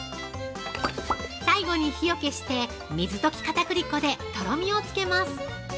最後に火を消して水溶きかたくり粉でとろみをつけます。